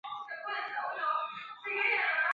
类短肋黄耆是豆科黄芪属的植物。